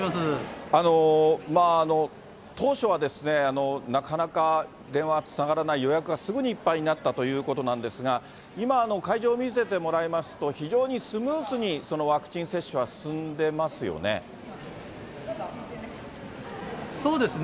当初はですね、なかなか、電話つながらない、予約はすぐにいっぱいになったということなんですが、今、会場を見せてもらいますと、非常にスムーズにワクチン接種は進んでますよね。